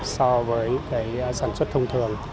so với sản xuất thông thường